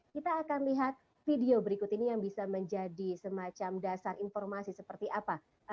kita akan lihat video berikut ini yang bisa menjadi semacam dasar informasi seperti apa